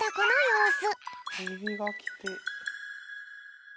エビがきて。